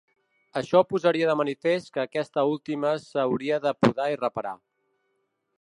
Això posaria de manifest que aquesta última s'hauria de podar i reparar.